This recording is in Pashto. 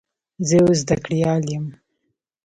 زه یو زده کړیال یم.